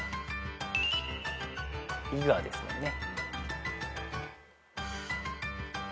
伊賀ですもんね。